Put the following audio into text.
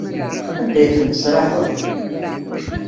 Anda ay ten-tesraḥeḍ?